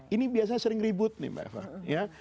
ini biasanya sering ribut nih mbak eva